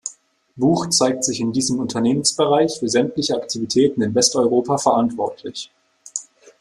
Buch zeigt sich in diesem Unternehmensbereich für sämtliche Aktivitäten in Westeuropa verantwortlich.